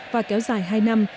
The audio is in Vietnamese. và kéo dài hai năm